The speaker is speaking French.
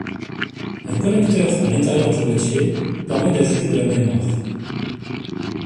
Un connecteur à l'intérieur du boîtier permet d'ajouter de la mémoire.